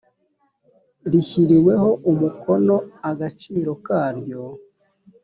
rishyiriweho umukono agaciro karyo